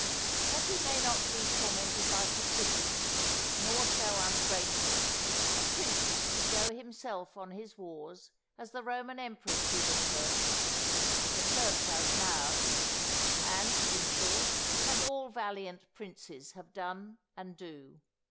_ That he may not be tormented by suspicion, nor show ungrateful, a prince should go himself on his wars as the Roman emperors did at first, as the Turk does now, and, in short, as all valiant princes have done and do.